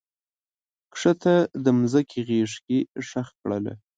کښته د مځکې غیږ کې ښخ کړله